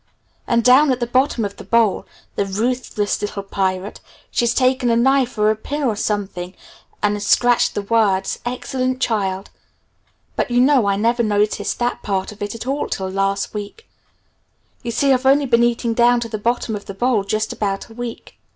And down at the bottom of the bowl the ruthless little pirate she's taken a knife or a pin or something and scratched the words, 'Excellent Child!' But you know I never noticed that part of it at all till last week. You see I've only been eating down to the bottom of the bowl just about a week.